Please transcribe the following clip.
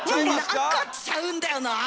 何かちゃうんだよなあ！